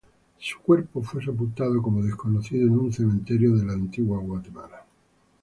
Su cuerpo fue sepultado como desconocido en un cementerio de Antigua Guatemala